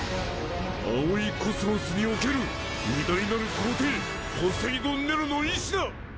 葵宇宙における偉大なる皇帝ポセイドン・ネロの意志だ！